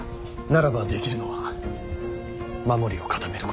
ならばできるのは守りを固めることのみ。